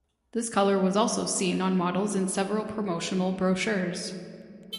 This colour was also seen on models in several promotional brochures.